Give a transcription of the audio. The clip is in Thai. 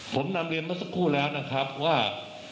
ผมนำเรียนมาสักครู่แล้วนะครับว่า